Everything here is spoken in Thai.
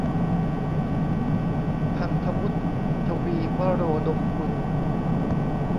ธันย์ฐวุฒิ ทวีวโรดมกุล